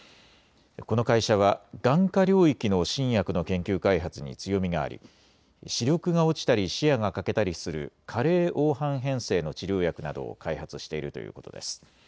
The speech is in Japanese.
この会社は眼科領域の新薬の研究開発に強みがあり、視力が落ちたり視野が欠けたりする加齢黄斑変性の治療薬などを開発しているということです。